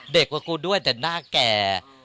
เด็กกว่ากูด้วยแต่หน้าแก่